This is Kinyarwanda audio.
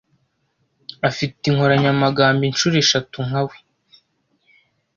Afite inkoranyamagambo inshuro eshatu nkawe.